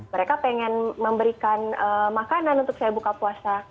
mereka pengen memberikan makanan untuk saya buka puasa